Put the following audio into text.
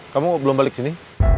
kamu belum balik sini